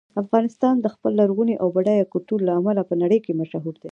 افغانستان د خپل لرغوني او بډایه کلتور له امله په نړۍ کې مشهور دی.